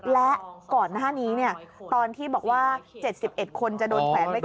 และก่อนหน้านี้ตอนที่บอกว่า๗๑คนจะโดนแขวนไว้ก่อน